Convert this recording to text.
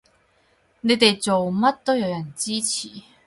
你哋做乜都有人支持